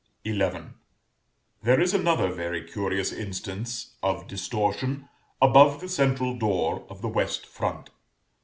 XI. There is another very curious instance of distortion above the central door of the west front.